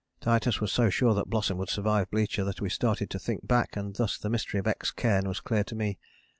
Titus was so sure that Blossom would survive Blücher that we started to think back and thus the mystery of X Cairn was clear to me.